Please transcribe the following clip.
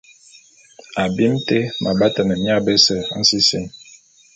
Abim té m’abatane mia bese nsisim.